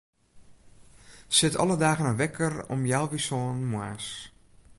Set alle dagen in wekker om healwei sânen moarns.